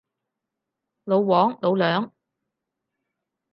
老黃，老梁